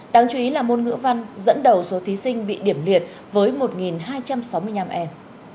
đáng chú ý là môn ngữ văn dẫn đầu số thí sinh bị điểm liệt với một hai trăm sáu mươi năm em